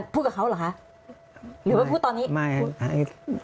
พูดกับเขาเหรอคะหรือว่าพูดตอนนี้